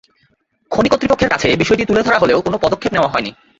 খনি কর্তৃপক্ষের কাছে বিষয়টি তুলে ধরা হলেও কোনো পদক্ষেপ নেওয়া হয়নি।